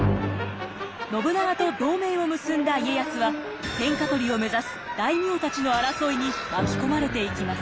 信長と同盟を結んだ家康は天下取りを目指す大名たちの争いに巻き込まれていきます。